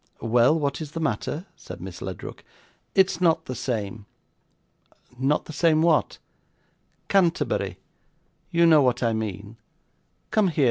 'Well, what is the matter?' said Miss Ledrook. 'It's not the same.' 'Not the same what?' 'Canterbury you know what I mean. Come here!